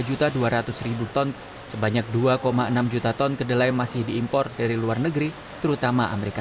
juta dua ratus ton sebanyak dua enam juta ton kedelai masih diimpor dari luar negeri terutama amerika